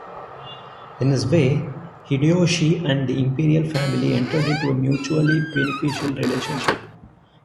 In this way, Hideyoshi and the Imperial Family entered into a mutually beneficial relationship.